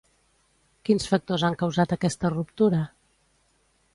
Quins factors han causat aquesta ruptura?